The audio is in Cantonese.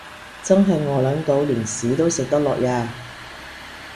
真係餓 𨶙 到連屎都食得落呀